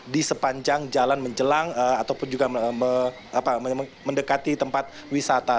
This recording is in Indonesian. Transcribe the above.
di sepanjang jalan menjelang ataupun juga mendekati tempat wisata